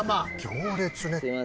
行列ね。